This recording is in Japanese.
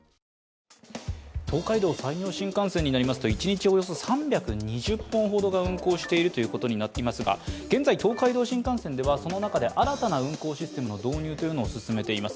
東海道・山陽新幹線になりますと一日およそ３２０本が運行しているということになりますが現在、東海道新幹線ではその中で新たな運行システムの導入を進めています。